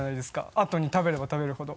あとに食べれば食べるほど。